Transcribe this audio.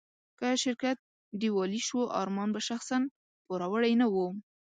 که شرکت ډيوالي شو، ارمان به شخصاً پوروړی نه و.